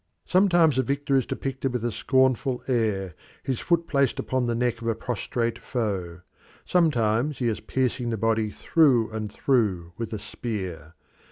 Sometimes the victor is depicted with a scornful air, his foot placed upon the neck of a prostrate foe; sometimes he is piercing the body through and through with a spear.